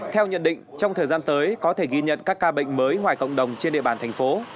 theo nhận định trong thời gian tới có thể ghi nhận các ca bệnh mới ngoài cộng đồng trên địa bàn thành phố